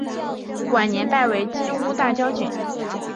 晚年拜为金吾大将军。